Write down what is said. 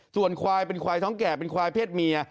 ส่วนควายเป็นควายท้องแก่เป็นควายเพศเมีย